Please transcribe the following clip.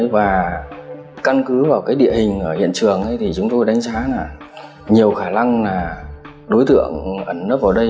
và căn cứ vào địa hình hiện trường thì chúng tôi đánh giá là nhiều khả năng đối tượng ẩn nấp ở đây